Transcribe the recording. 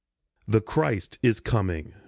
The Christ is coming !